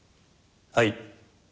はい。